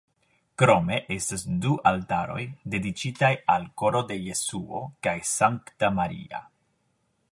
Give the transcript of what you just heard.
Krome estas du altaroj dediĉitaj al Koro de Jesuo kaj Sankta Maria.